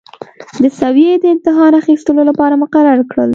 د سویې د امتحان اخیستلو لپاره مقرر کړل.